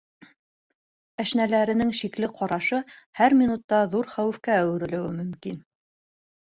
Әшнәләренең шикле ҡарашы һәр минутта ҙур хәүефкә әүерелеүе мөмкин.